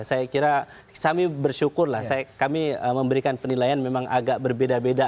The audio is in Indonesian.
saya kira kami bersyukur lah kami memberikan penilaian memang agak berbeda beda